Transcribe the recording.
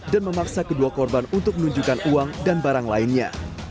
dan memaksa kedua korban untuk menunjukkan uang dan barang lainnya